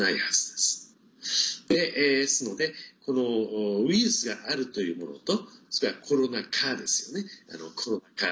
ですので、ウイルスがあるというものとそれから、コロナ禍ですね。